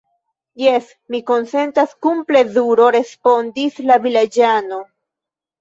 Jes, mi konsentas kun plezuro, respondis la vilaĝano.